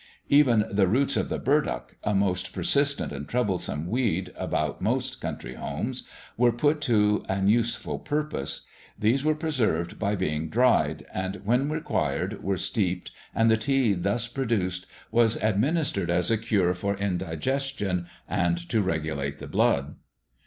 Even the roots of the burdock, a most persistent and troublesome weed about most country homes, were put to an useful purpose. These were preserved by being dried, and when required were steeped and the tea thus produced was administered as a cure for indigestion and to regulate the blood.